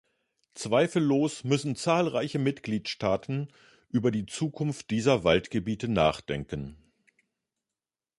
Zweifellos müssen zahlreiche Mitgliedstaaten über die Zukunft dieser Waldgebiete nachdenken.